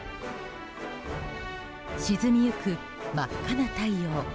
沈みゆく真っ赤な太陽。